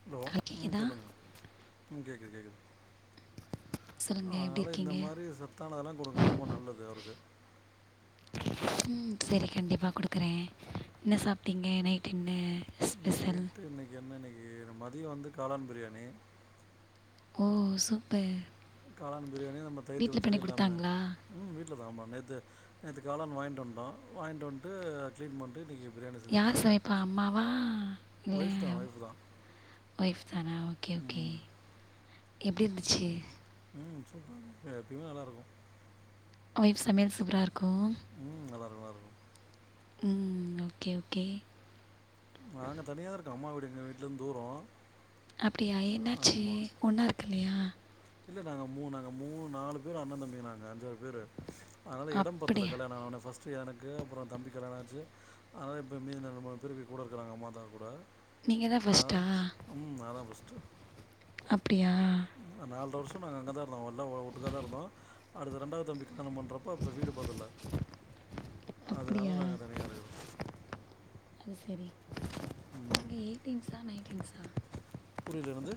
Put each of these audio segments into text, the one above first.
Hello ம் சொல்லுங்க ம் கேக்குது கேக்குது சொல்லுங்க எப்படி அதனால இந்த இருக்கீங்க மாரி சத்தானதெல்லா குடுங்க ரொம்ப நல்லது அவருக்கு ம் சரி கண்டிப்பா குடுக்குற என்ன சாப்ட்டீங்க நைட் என்ன ஸ்பெஷல் இன்னைக்கு என்ன இன்னைக்கு மதிய வந்து காளான் பிரியாணி ஓ சூப்பர் காளான் பிரியாணி நம்ம தயிர்த்து வீட்டில் பண்ணி பச்சடி எல்லாமே கொடுத்தாங்களா ம் வீட்லதா ஆமா நேத்து நேத்து காளான் வாங்ட்டு வந்டோ வாங்கிட் வந்ட்டு க்ளீன் பண்ட்டு இன்னைக்கி யார் சமைப்பா அம்மாவா இல்ல ஒய்ஃப் தான் ஒய்ஃப் தான் ஒய்ஃப் தானா ஓகே ஓகே ம் எப்டி இருந்துச்சு ம் சூப்பராயிருந்துது எப்பயுமே நல்லாருக்கு ஒய்ஃப் சமையல் சூப்பரா இருக்கு ம் நல்லாருக்கு நல்லாருக்கு ம் ஓகே ஓகே நாங்க தனியா இருக்கோ அம்மா வீடு எங்க வீட்ல இருந்து தூர அப்டியா என்னாச்சு ஒன்னா இருக்கலயா இல்ல நாங்க மூணு மூணு நாலு பேரு அண்ண தம்பி நாங்க அஞ்சாறு பேரு அதனால எடம் பத்தல அப்படியா கல்யாண ஆனவுடனே ஃபர்ஸ்ட் எனக்கு அப்ற தம்பிக் கல்யாணம் ஆச்சு அதனால இப்போ மீதி ரெண்டு மூணு பேருக் கூட இருக்குறாங்க அம்மா அத்தா கூட நீங்கள் தான் ஆ ஃபஸ்ட்டா ம் நா தா ஃபர்ஸ்ட்டு அப்டியா நால்ர வருஷ நாங்க அங்க தா இருந்தோ எல்லா ஒ ஒட்டுக்காதா இருந்தோ அடுத்து ரெண்டாவ தம்பிக் கல்யாண பண்ற அப்போ இப்ப வீடு பத்தல அதனால அப்படியா நாங்க தனியா இருக்குறோ அது சரி ம் நீங்கள் எயிட்டீன்ஸா நைன்டீன்ஸா புரியல என்னது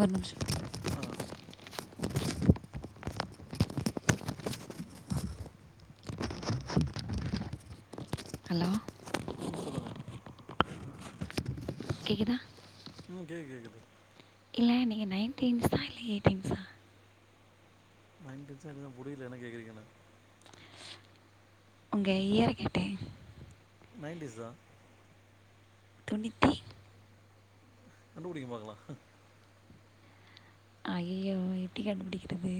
ஒரு நிமிஷ ஆ ஹலோ ம் சொல்லுங்க கேக்குதா ம் கேக் கேக்குது இல்ல நீங்க நைன்டீன்ஸா இல்ல எயிட்டீன்ஸா நயன்டீன்ஷா என்னபுரியில என்ன கேக்குறிங்கன்னு உங்க ஈயர கேட்டே நைன்டிஸ் தா தொண்ணித்தி கண்டுபுடிங்க பாக்கலா அய்யயோ எப்டி கண்டுபுடிக்கிறது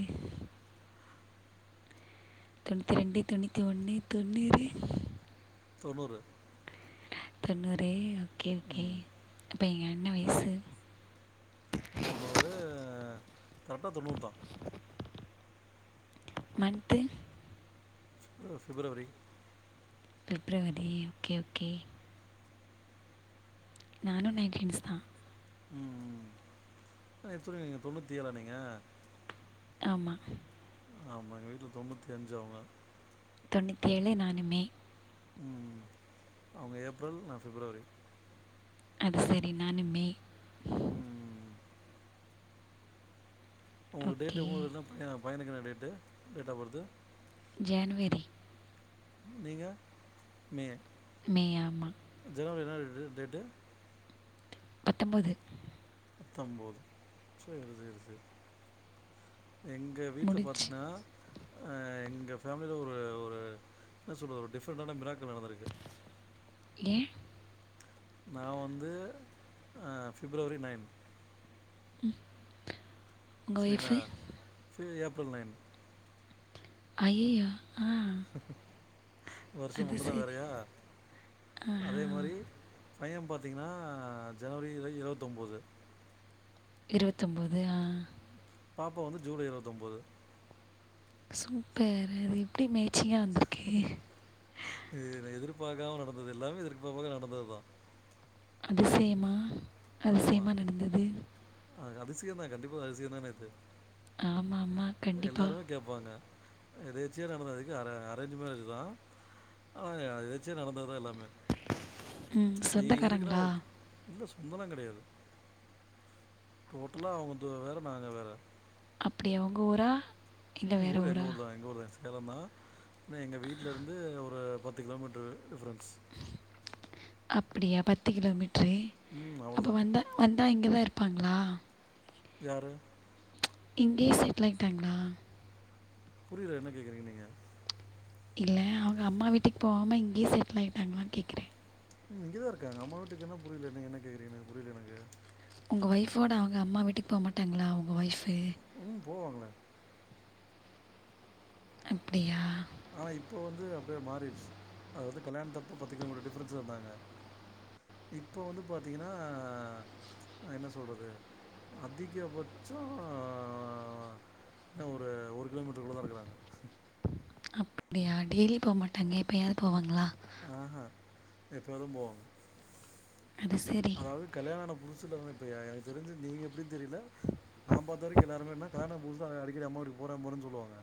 தொண்ணித்தி ரெண்டு தொண்ணித்தி ஒன்னு தொண்ணூறு தொண்ணூறு தொண்ணூறே ஓகே ஓகே ம் அப்போ எங்க அண்ண வயசு தொண்ணூறு கரெட்டா தொண்ணூறு தா month February February okay okay நானு நைன்டீன்ஸ்தா ம் எத்த ஒன்னே நீங்க தொண்ணத்தி ஏழா நீங்க ஆமா ஆமா எங்க வீட்ல தொண்ணுத்தி அஞ்சு அவுங்க தொண்ணித்தி ஏழுே நானு மே ம்ம் அவுங்க ஏப்ரல் நா ஃபிப்ரவரி அது செரி நானு மே ம் உங்களுக்கு ஓகே டேட்டு உங்களுக்கு என்ன பயணா பயணுக்கென்ன date date of birth January நீங்க மே மே ஆமா ஜனவரி என்னா ர டேட்டு பத்தம்போது பத்தம்போது சேரி சேரி சேரி எங்க வீட்ல முடிச்சு பாத்தீங்ன்னா அ எங்க ஃபேமிலில ஒரு ஒரு என்ன சொல்றது ஒரு டிஃப்ரெண்ட்டான மிராக்கள் நடந்துருக்கு ஏ நா வந்து அ ஃபிப்ரவரி நைன் ம் சரிங்ளா ஃபு ஏப்ரல் நைன் அய்யயோ ஆ வருஷம் அது மட்டுந்தா சரி. வேறயா ஆஹா. அதே மாரி பைய பாத்திங்ன்னா ஜனவரி ல இருவத்தொம்போது இருவத்தொம்போது ஆ பாப்பா வந்து ஜூலை இருவத்தொம்போது சூப்பர் அது எப்டி மேய்ச்சிங்கா வந்திருக்கு இது இது எதிர்ப்பாகாம நடந்தது எல்லாமே எதிர்ப்பாகாம நடந்ததுதா அதிசயமா அதிசயமா நடந்தது ஆஹ அதிசயந்தா கண்டிப்பா அதிசியந்தானே இது ஆமா ஆமா கண்டிப்பா எல்லாருமே கேப்பாங்க எதர்ச்சியா நடந்ததுக்கு அரேஞ்சு மேரேஜ்தா அ எதர்ச்சியா நடந்ததுதா எல்லாமே ம். எங்குளுக்குதா சொந்தக்காரங்களா? ஓகே இல்ல சொந்தோலா கடையாது டோட்டலா அவுங்கது வேற நாங்க வேற அப்டியா உங்க ஊரா இல்ல ம் வேற ஊரு எங்க ஊரா? ஊர்தா எங்க ஊர்தா சேலந்தா என்ன எங்க வீட்லருந்து ஒரு பத்து கிலோமீட்ரு டிஃப்ரெண்ஸ் அப்புடியா பத்து கிலோமீட்ரு ம் அப்ப அவ்ளோதா வந்தா வந்தா இங்கதா இருப்பாங்ளா யாரு இங்கயே செட்டுல் ஆய்ட்டாங்ளா புரில என்ன கேகுறீங்கன் நீங்க இல்ல அவுங்க அம்மா வீட்டுக்கு போகாம இங்கயே செட்டுல் ஆய்ட்டாங்களான் கேக்குற ம் இங்கதா இருக்காங்க அம்மா வீட்டுக்குன்னா புரில நீங்க என்ன கேக்குறீங்கன் புரில எனக்கு உங்க ஒய்ஃபோட அவங்க அம்மா வீட்டுக் போமாட்டாங்ளா உங்க ஒய்ஃபு ம் போவாங்களே அப்டியா ஆனா இப்போ வந்து அப்டியே மாரிடுச்சு அது வந்து கல்யாண் தப்ப பத்து கிலோமீட்டர் டிஃப்ரென்ஸ்ல இருந்தாங்க இப்போ வந்து பாத்தீங்கனா நா என்ன சொல்றது அதிகபட்சோ என்ன ஒரு ஒரு கிலோமீட்ருக்குள்ளதா இருக்குறாங்க அப்டியா டெய்லி போமாட்டாங்க எப்பயாவ்து போவாங்ளா ஆஹ எப்போது போவாங்க அது சரி. அதாவது கல்யாணோ ஆன புதுசுல வந்து இப்ப எ எனக்கு தெரிஞ்சு நீங்க எப்டின் தெரில நா பாத்த வரிக்கு எல்லாருமே என்ன கல்யாணோ ஆன புதுல அடிக்கடி அம்மா வீட்டுக்கு போறே போறேன் சொல்லுவாங்க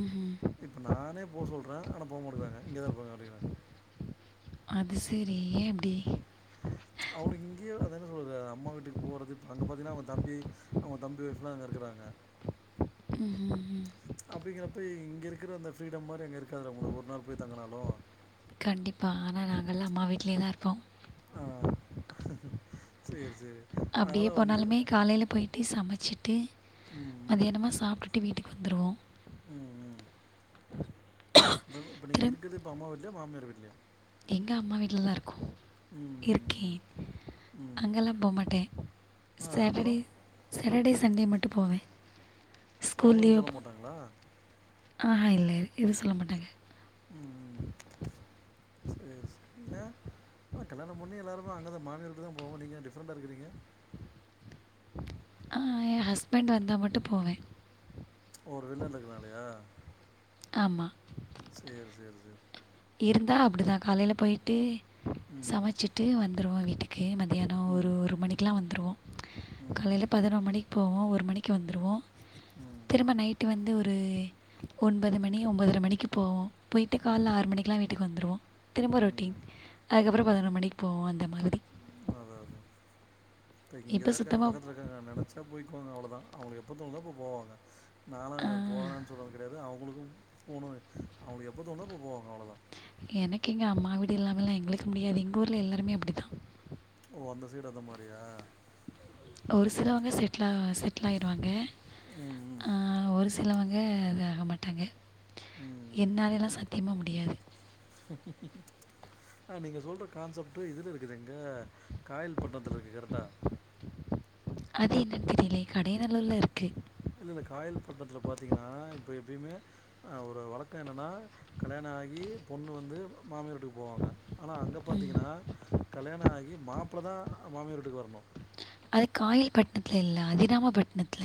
ம் ஹும் இப்ப நானே போ சொல்ற ஆன போ மாட்டிக்குறாங்க இங்கதா இருப்பே அப்டிங்றாங்க அது சேரி அவுனுக்கு இங்கயே அத என்ன சொல்றது அம்மா வீட்டுக்கு போறது அங்க பாத்தீங்கனா அவுங்க தம்பி அவுங்க தம்பி ஒய்ஃபுலா அங்க இருக்குறாங்க ம் ம் ம் அப்டிங்கறப்ப இங்க இருக்குற அந்த ஃப்ரீடம் மாரி அங்க இருக்காதுல உங்களுக்கு ஒரு நாள் போய் தங்குனாலு கண்டிப்பா ஆனா நாங்கலா அம்மா வீட்லயேதா இருப்போ ஆ சேரி சேரி அப்டியே அதனால வந்து போனாலுமே காலைல போயிட்டு சமச்சுட்டு ம் ம் அது என்னமோ சாப்டுட்டு வீட்டுக்கு வந்துருவோ ம் ம் இப்ப நீங்க திரும்ப இருக்கறது இப்ப அம்மா வீட்லயா மாமியார் வீட்லயா எங்க அம்மா வீட்லதா இருக்கோ ம் ம் இருக்கேன் ம் ம் அங்கல்லா போ மாட்டே ஆ அப்புறோ சேட்டடே சேட்டடே சண்டே மட்டு போவே செரி அவுங்க எது சொல்ல மாட்டாங்களா ஆஹா இல்ல எது சொல்ல மாட்டாங்க ம் ம் [inaudible] ஆ கல்யாணோ முன்னே எல்லாருமே அங்கதா மாமியார் வீட்டுக்கு தா போவோ நீங்க டிஃப்ரண்டா இருக்குறிங்க ஏன் ஹஸ்பண்ட் வந்தா மட்டு போவே ஓ அவரு வெளி நாட்ல இருக்குறனாலயா ஆமா சேரி சேரி சேரி இருந்தா அப்டிதா காலைல போயிட்டு ம் சமைச்சிட்டு வந்துருவோ வீட்டுக்கு கே மதியானோ ம் ஒரு ஒரு மணிக்குலா வந்துருவோ காலைல ம் பதினோ மணிக்கு போவோ ஒரு மணிக்கு வந்துருவோ ம் திரும்ப நைட்டு வந்து ஒரு ஒன்பது மணி ஒம்போதர மணிக்கு போவோ போயிட்டு ம் கால்ல ஆறு மணிக்குலா வீட்டுக்கு வந்துருவோ திரும்ப ம் ரொட்டீன் அதுக்கப்றோ பதினொரு மணிக் போவோ அந்த மாதிரி அதா அதா இப்ப இங்கதா இருக்காங்க பக்கத்துல இரு காங்க நெனைச்சா போய்க்குவாங்க அவ்ளதா அவுங்ளுக் எப்ப தோணுதோ அப்ப போவாங்க நானு ஆ ஏன் போறன் சொல்றது கெடையாது அவுங்களுக்கு போணு அவுங்ளுக்கு எப்போ தோணுதோ அப்ப போவாங்க அவ்ளோதா எனக்கு இங்க அம்மா வீடு இல்லாமலா எங்குளுக்கு முடியாது எங்க ஊர்ல எல்லாருமே அப்டி தா ஓ அந்த சைடு அந்த மாரியா ஒரு சிலவங்க செட்லா செட்டில் ஆயிருவாங்க ம் ம் ஆ ஒரு சிலவங்க அது ஆக மாட்டாங்க ம் என்னாலலைலா சத்தியமா முடியாது க்கு க்கு ஆ நீங்க சொல்ற கான்செப்ட் இதுல இருக்குது எங்க காயல்பட்டினத்துல இருக்கு கரெக்டா அது என்னன்னு தெரிலியே கடையநல்லுர்ல இருக்கு இல்ல இல்ல காயல்பட்னத்துல பாத்தீங்கனா இப்ப எப்பயிமே ஒரு வழக்கோ என்னன்னா கல்யாணோ ஆகி பொண்ணு வந்து மாமியார் வீட்டுக்கு போவாங்க ஆனா அங்க பாத்திங்கனா கல்யாணாகி மாப்ள தா மாமியார் வீட்டுக்கு வரணு அது காயல்பட்ணத்துல இல்ல அதினாமபட்ணத்துல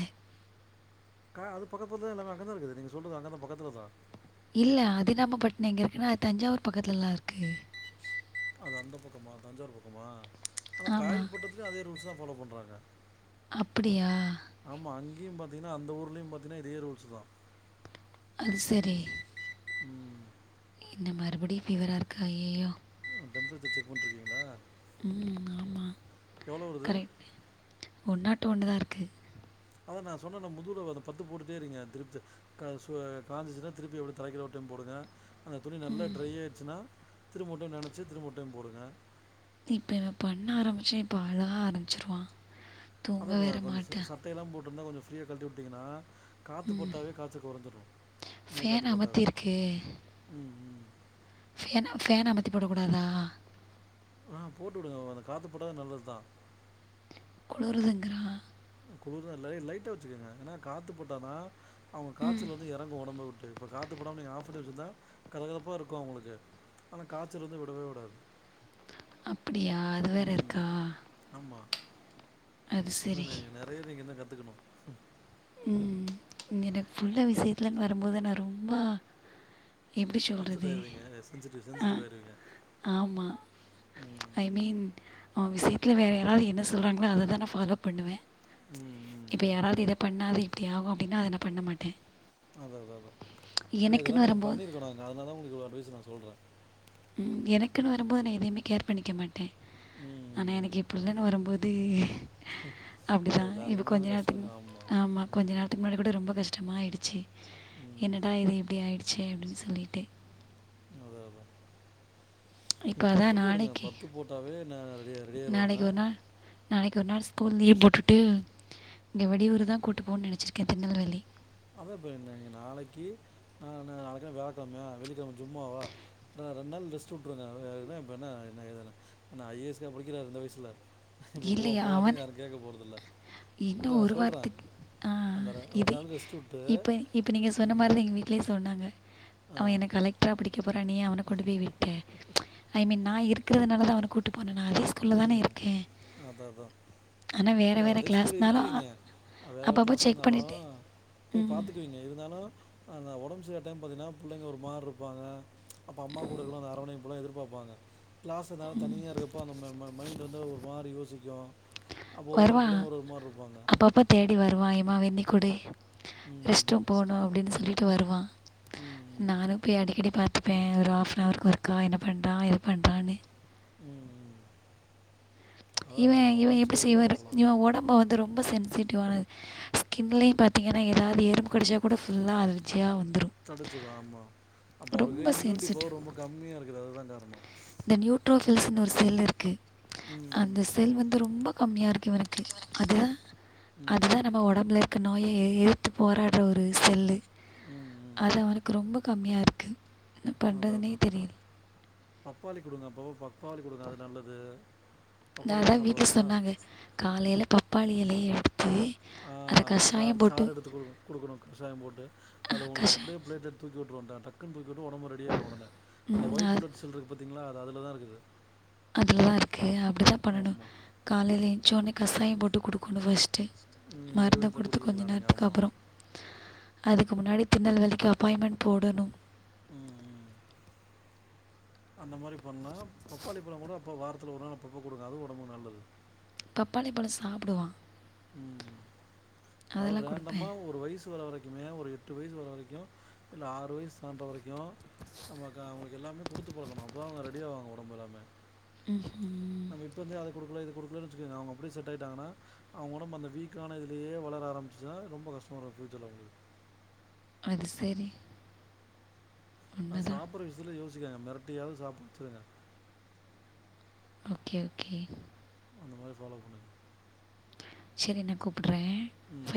கா அது பக்கத்துலதா எல்லாமே அங்க தா இருக்குது நீங்க சொல்றது அங்க தா பக்கத்துல தா இல்ல அதினாமபட்னம் எங்க இருக்குனா அது தஞ்சாவூர் பக்கத்துல இருக்கு அது அந்த பக்கமா தஞ்சாவூர் பக்கமா ஆனா ஆமாம் காயல்பட்ணத்துலியு அதே ரூல்ஸ் தா ஃபாலோ பண்றாங்க அப்டியா ஆமா அங்கியு பாத்தீங்னா அந்த ஊர்லயு பாத்தீங்னா இதே ரூல்ஸ் தா அது செரி ம் என்ன மறுபடியு ஃபீவரா இருக்கா அய்யயோ டெம்ரேச்சர் செக் பண்ட்ருக்கிங்ளா ம் ஆமா கரெக்ட் ஒன் நாட் ஒன்னு தா இருக்கு அதா நா சொன்னனே முதுல அந்த பத்து போட்டுட்டே இரிங்க திருப் க சு காஞ்சிச்சுன்னா திருப்பி அப்டே தலக்கிழ ஒரு டைம் போடுங்க அந்த துணி நல்லா ட்ரை ஆயிடுச்சுன்னா திரும்ப ஒரு டைம் நெனச்சு திரும்ப ஒரு டைம் போடுங்க இப்ப நா பண்ண ஆரம்பிச்சே இப்ப அழ ஆரம்பிச்சிருவா அதா ப கொஞ்சோ ச சட்டைலா போட்ருந்தா கொஞ்சோ ஃப்ரீயா கழட்டி உட்டிங்கனா காத்து பட்டாவே காய்ச்சல் கொறங்சுரு மே ஃபேன் காத்து பட்டாவே அமர்த்தியிருக்கு ம் ம் ஏனா ஃபேன அமத்தி போட கூடாதா ஆ போட்டு உடுங்க அவன காத்து பட்டாலே நல்லது தா குளுருதுங்குறான் குளுர்தா லைட்டா வெச்சுக்கங்க ஏனா காத்து பட்டாத அவுங்க காச்சல் வந்து எறங்கு ஒடம்ப விட்டு இப்ப காத்து படாம நீங்க ஆஃப் பண்ணி வெச்சிந்தா கதகதப்பா இருக்கு அவுங்களுக்கு ஆனா காச்சல் வந்து விடவே விடாது அப்டியா அது வேற இருக்கா ஆமா அது இன்னு சரி நெ நெறயா நீங்க இன்னு கத்துக்கணு ம் எனக்கு புள்ள விசியத்துல வரும்போது நா ரொம்ப எப்படி அப்செட் சொல்கிறது ஆயிருவீங்க சென்சிட்டிவ் சென்சிட்டிவ் ஆயிருவீங்க ஆமா ம் ஐ மீன் அவ விசியத்தில வேற யாராவது என்ன சொல்றாங்ளோ அததா நா ஃபாலோ பண்ணுவ ம் இப்ப ம் ம் யாராவது இத பண்ணாத இப்டி ஆகு அப்டினா அத நா பண்ண மாட்ட அதா அதா அதா ஏனா இதெல்லா நாங்க வரும்போது பண்ணிருக்கோ நாங்க அதனாலதா உங்களுக்கு அட்வைஸ் நா சொல்ற ம் எனக்குனு வரும்போது நா எதயுமே கேர் பண்ணிக்க மாட்ட ம் ஆனா ம் ம் எனக்கு என் புள்ளனு வரும்போது அப்டிதா அது இப்ப எல்லாருக்குமே கொஞ்ச அந்த கஷ்டோ நேரத்துக்கு இருக்கு ஆமா கொஞ்ச ம் நேரத்துக்கு முன்னாடி கூட ரொம்ப கஷ்டமாயிடுச்சு ம் என்னடா இது இப்டி ஆயிடுச்சே அப்டின்னு சொல்லிட்டு அதா அதா இப்போ நீங்க பத்து அதான் போடுங்க நாளைக்கு பத்து போட்டாவே நா ரெடி ரெடி ஆயிருவாங்க நாளைக்கொரு நாள் ஸ்கூல் லீவ் போட்டுட்டு இங்க வெளியூருதா கூட்டு போனுன்னு நெனச்சிருக்கேன் திருநெல்வேலி அதா இப்ப என்ன நாளைக்கு நா நாளைக்கென்ன வியாழக்கிழமயா வெள்ளிக்கிழம ஜும்மாவா ரெண்டு நாள் ரெஸ்ட் வுட்டுருங்க அ என்ன இப்ப என்ன என்ன ஐ ஏ எஸ்கா படிக்கிறாரு இந்த வயசுல இப்ப போவ போவாண்டு யாரு கேட்க போறதில்ல இன்னு இல்லை ஒரு நான் சொல்கிறேன் வாரத்துக்கு ஆ அந்த ரெ- ரெண்டு இது நாள் ரெஸ்ட் விட்டு இப்போ இப்போ நீங்க சொன்ன ம் மாரில்லா எங்க வீ ட்லயு சொன்னாங்க ஆ அவன் என்ன கலெக்ட்ரா படிக்க போறான் நீ அவன கொண்டு போய் விட்ட ஐ மீன் நா இருக்கறதுனாலதா அவன கூட்டு போனானா அஜஸ் த்துள்ளதான ம் இருக்கேன் அதான் அதான் ஆனா வேற இல்லை வேற அதே ஸ்கூலில் ஸ்னாலூ இருக்கிறீங்க அது வேற அப்ப அப்ப செக் பண்ணிட்டு ம் ங்க இருந்தாலு அந்த ஒடம்பு சரியில்லா டைம் பாத்தீனா புள்ளைங்க ஒரு மார் இருப்பாங்க அப்ப அம்மா கூட இருக்கணு அந்த அரவனைப்பெல்லா எதிர்பார்ப்பாங்க கிளாஸ்லனா தனியா இரு அப்போ அந்த மை மைண்ட் வந்து ஒரு மாரி யோசிக்கும் அப்போ ஒவ்வொரு வருவான் புள்ளைங்க ஒரு ஒரு மாரி இருப்பாங்க அப்பப்போ தேடி வருவான் எம்மா வெண்ணி கொடு ம் ரெஸ்ட்ரூம் போகுணு அப்டின்னு சொல்லிட்டு வருவான் ம் ம் நானும் போய் அடிக்கடி பாத்துப்பேன் ஒரு ஹாஃப் அன் அவர்க்கு ஒர்க்கா என்ன பண்றான் ஏது பண்ணுறான்னு ம் ம் அதான் இவன் நான் இவன் உடம்பு எப்டி சரியாக கூட செய்வாரு அனுப்பலாம் இவன் ஒடம்ப வந்து ரொம்ப சென்சிட்டிவ் ஆனது ஸ்கின்லயும் பாத்தீங்கன்னா எதாவது எறும்பு கடிச்சா கூட ஃபுல்லா அலர்ஜியா வந்துரு தடுச்சிரு ஆமா அப்போ அவருக்கு இம்யூனிட்டி சென்சிட்டிவ் பவர் ரொம்ப கம்மியாஇருக்குது அதுதான் காரணோ இந்த நியூட்ரோஃபில்ஸ்ன்னு ஒரு செல்லூ இருக்கு அந்த ம் செல் வந்து ரொம்ப கம்மியா இருக்கு இவனுக்கு அதா ம் ம் அதுதா நம்ம ஒடம்புல க்கு நோய எதுத்து போராடுற ஒரு செல்லு ம் ம் அது அவனுக்கு ரொம்ப கம்மியா இருக்கு அதா அதா பப்பாளி குடுங்க அப்ப அப்ப பப்பாளி குடுங்க அது நல்லது. நா அதா பப்பாளிலா வீட்ல சாப்டுவாருங்களா சொன்னாங்க காலைல பப்பாளி எலய எடுத்து ஆ அதை சார் கஷாயம் போட்டு சார் எடுத்து குடு குடுக்கணு கஷாயம் போட்டு ஆ, அதுல உங்களுக்கு கஷாயம் அப்டியே ப்ளேட் எடு தூக்கி வுட்டுருவட டக்குன் தூக்கிவுட்டு ஒடம்பு ரெடியாயிரு ஒடனே அந்த ஒயிட் அது பிளட் செல்ருக்கு பாத்தீங்ளா அது அதுல தா இருக்குது. அதுலதா இருக்கு அப்டிதா பண்ணணு ஆமா காலையில எஞ்சோனே கஷாய போட்டு குடுக்கனு ஃபஸ் டு ம் வெறு மருந்து வயித்துல கொடுத்து குடிக்க கொஞ்ச வைக்கலா நீங்க நேரத்துக்கு ஆமா அப்புறோ அதுக்கு முன்னாடி திருநெல்வேலிக்கு அப்பாயின்மென் போடனு ம் ம். அந்த மாரி பண்ணா பப்பாளி பழ கூட அப்ப வாரத்துல ஒரு நாள் அப்பப்ப குடுங்க அது ஒடம்புக்கு நல்லது. பப்பாளி பழ சாப்புடுவா ம் அதா அதெல்லாம் ரேண்டமா கொடுப்பேன் ஒரு வயசு வர வரைக் க்குமே ஒரு எட்டு வயசு வர வரைக்கு இல்ல ஆறு வைஸ் சான்ற வரைக்கு ஆமாக்கா அவுங்களுக்கு எல்லாமே குடுத்து பழக்கனு அப்பதா அவுங்க ரெடி ஆவாங்க ஒடம்பு எல்லாமே ம் ஹிம் நம்ம இப்ப வந்து அத குடுக்கல இத குடுக்கலனு வச்சுக்குங்க அவுங்க அப்டியே செட் ஆயிட்டாங்கனா அவுங்க ஒடம்பு அந்த வீக்கான இதுலயே வளர ஆரம்பிச்சினா ரொம்ப கஷ்டமாரு ஃபூயூச்சர்ல உங்களுக் அது சேரி. அ சாப்புற விஷியத்தில யோசிகாதீங்க மெரட்டியாவது சாப்ட வச்சுருங்க. ஓகே ஓகே அந்த மாரி ஃபாலோ பண்ணு செரி நா கூப்புட்றே ம்